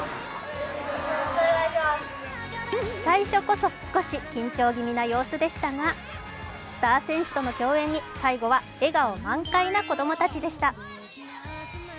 最初こそ少し緊張気味な様子でしたが、スター選手との共演に、最後は笑顔満開な子供たちでした。